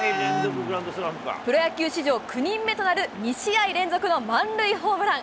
プロ野球史上９人目となる、２試合連続の満塁ホームラン。